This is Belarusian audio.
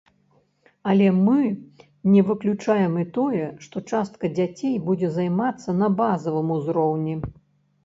Але мы не выключаем і тое, што частка дзяцей будзе займацца на базавым узроўні.